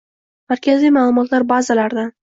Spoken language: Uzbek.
markaziy ma’lumotlar bazalaridan;